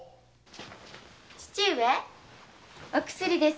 父上お薬です。